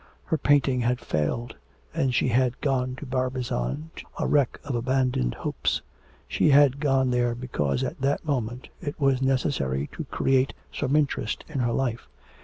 Her painting had failed, and she had gone to Barbizon a wreck of abandoned hopes. She had gone there because at that moment it was necessary to create some interest in her life.